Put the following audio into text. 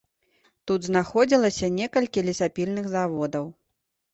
Тут знаходзілася некалькі лесапільных заводаў.